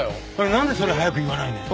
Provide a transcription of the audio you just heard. なんでそれ早く言わないのよ。